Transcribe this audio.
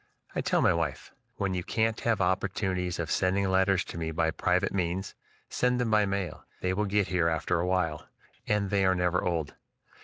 I tell my wife: "When you can't have opportunities of sending letters to me by private means, send them by mail; they will get here afterwhile, and they are never old.